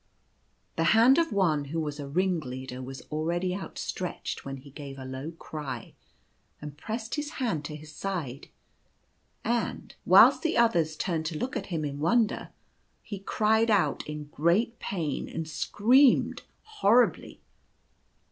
The hand of one who was a ringleader was already outstretched, when he gave a low cry, and pressed his hand to his side ; and, whilst the others turned to look at him in wonder, he cried out in great pain, and screamed horribly.